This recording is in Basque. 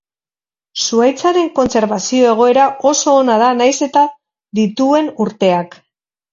Zuhaitzaren kontserbazio egoera oso ona da nahiz eta dituen urteak.